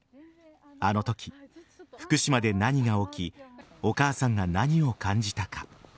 あのとき、福島で何が起きお母さんが何を感じたか。